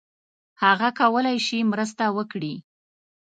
هغه کولای شي مرسته وکړي.